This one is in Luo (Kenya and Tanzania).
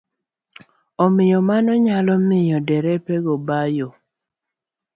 Omiyo mano nyalo miyo derepe go ba yo.